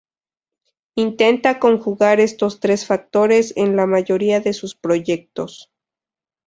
Intentan conjugar estos tres factores en la mayoría de sus proyectos.